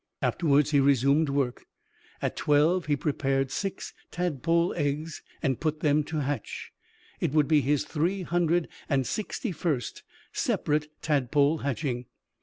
Afterwards he resumed work. At twelve he prepared six tadpole eggs and put them to hatch. It would be his three hundred and sixty first separate tadpole hatching.